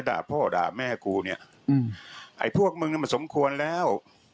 ด่าพ่อด่าแม่กูเนี่ยไอ้พวกมึงนี่มันสมควรแล้ว